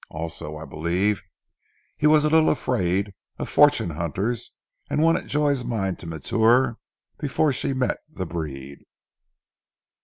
Also I believe he was a little afraid of fortune hunters and wanted Joy's mind to mature before she met the breed."